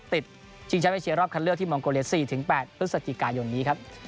ชิงแชมป์เอเชียรอบคันเลือกที่มองโกเลี๔๘พฤศจิกายนนี้ครับ